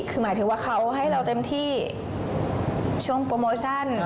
คือหมายถึงว่าเขาให้เราเต็มที่ช่วงโปรโมชั่น